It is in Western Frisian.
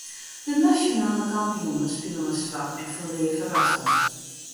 De nasjonaal kampioene spile mei swart en ferlear ferrassend.